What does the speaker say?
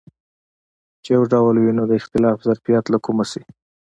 چې یو ډول وي نو د اختلاف ظرفیت له کومه شي.